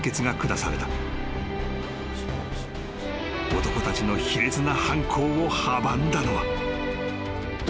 ［男たちの卑劣な犯行を阻んだのは］